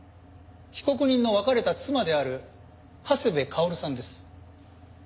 被告人の別れた妻である長谷部薫さんです。